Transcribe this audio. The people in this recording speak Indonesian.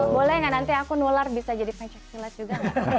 boleh nggak nanti aku nular bisa jadi pencaksilat juga